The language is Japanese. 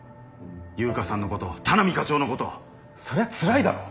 悠香さんのこと田波課長のことそりゃつらいだろう。